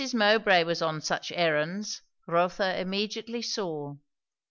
Mowbray was on such errands, Rotha immediately saw.